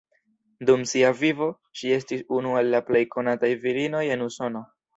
Dum sia vivo ŝi estis unu el la plej konataj virinoj en Usono.